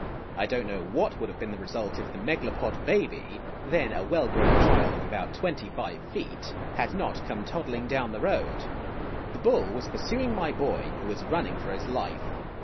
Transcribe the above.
I don't know what would have been the result if the Megalopod baby (then a well grown child of about twenty five feet) had not come toddling down the road. The bull was pursu ing my boy, who was running for his life.